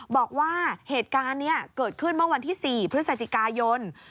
บอกว่าเหตุการณ์นี้เกิดขึ้นเมื่อวันที่๔พฤศจิกายน